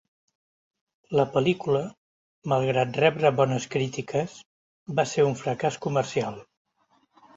La pel·lícula, malgrat rebre bones crítiques, va ser un fracàs comercial.